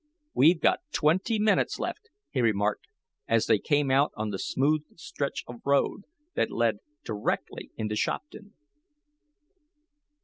"We've got twenty minutes left," he remarked as they came out on the smooth stretch of road, that led directly into Shopton.